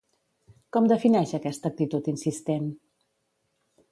Com defineix aquesta actitud insistent?